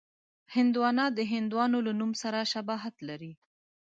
هندوانه د هندوانو له نوم سره شباهت لري.